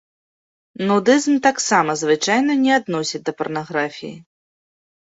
Нудызм таксама звычайна не адносяць да парнаграфіі.